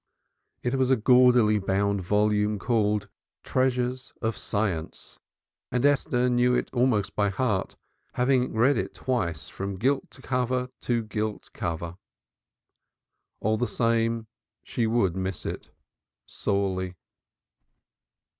It was a gaudily bound volume called "Treasures of Science," and Esther knew it almost by heart, having read it twice from gilt cover to gilt cover. All the same, she would miss it sorely.